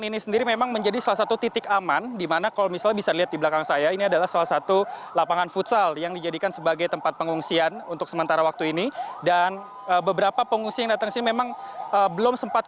bersama saya ratu nabila